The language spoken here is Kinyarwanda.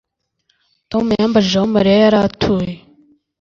Tom yambajije aho Mariya yari atuye